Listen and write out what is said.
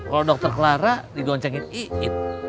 kalau dokter clara digoncengin iit